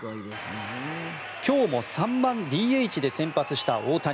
今日も３番ＤＨで先発した大谷。